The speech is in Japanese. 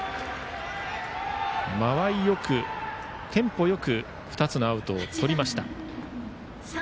間合いよく、テンポよく２つのアウトをとりました。